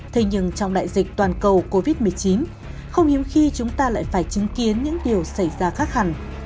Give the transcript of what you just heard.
thế nhưng trong đại dịch toàn cầu covid một mươi chín không hiếm khi chúng ta lại phải chứng kiến những điều xảy ra khác hẳn